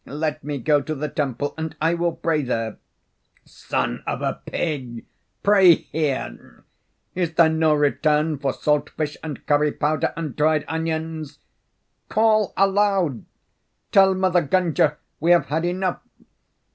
"Let me go to the temple, and I will pray there." "Son of a pig, pray here! Is there no return for salt fish and curry powder and dried onions? Call aloud! Tell Mother Gunga we have had enough.